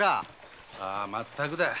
まったくだ。